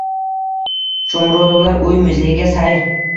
Shomurodovlar uy muzeyiga sayr